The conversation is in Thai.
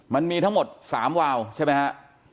มันมีทั้งหมด๓วาวใช่ไหมฮะ